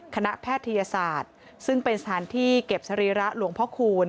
แพทยศาสตร์ซึ่งเป็นสถานที่เก็บสรีระหลวงพ่อคูณ